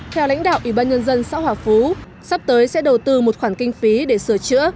theo lãnh đạo ủy ban nhân dân xã hòa phú sắp tới sẽ đầu tư một khoản kinh phí để sửa chữa